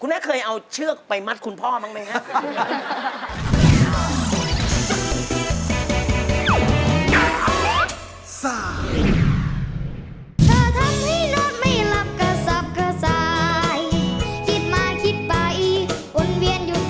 แม่เคยเอาเชือกไปมัดคุณพ่อบ้างไหมครับ